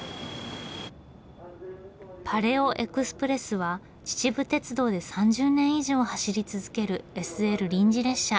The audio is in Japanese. パレオエクスプレスは秩父鉄道で３０年以上走り続けるＳＬ臨時列車。